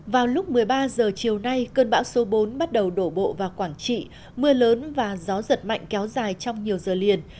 vào lúc một mươi ba h chiều nay cơn bão số bốn bắt đầu đổ bộ vào quảng trị mưa lớn và gió giật mạnh kéo dài trong nhiều giờ liền